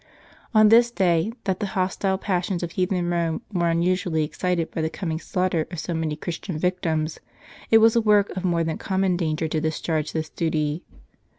On this day, that the hostile passions of heathen Rome were unusually excited by the coming slaughter of so many Christian victims, it was a work of more than common danger to discharge this duty.